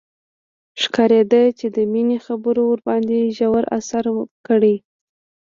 ښکارېده چې د مينې خبرو ورباندې ژور اثر کړی.